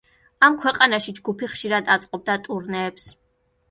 ამ ქვეყანაში ჯგუფი ხშირად აწყობდა ტურნეებს.